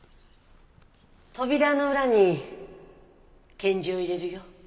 扉の裏に献辞を入れるよ。